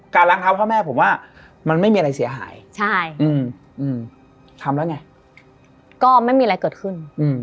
ก็ไม่มีอะไรเกิดขึ้น